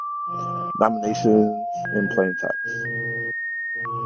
Nominations in plain text.